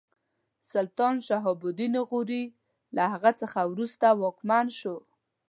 سلطان شهاب الدین غوري له هغه څخه وروسته واکمن شو.